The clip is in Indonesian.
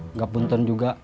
enggak punten juga